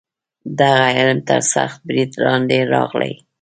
دغه علم تر سخت برید لاندې راغلی و.